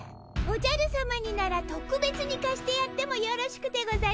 おじゃるさまにならとくべつにかしてやってもよろしくてござりまする。